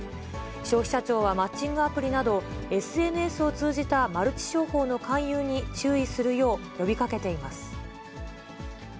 消費者庁はマッチングアプリなど、ＳＮＳを通じたマルチ商法の勧誘に注意するよう呼びかけています。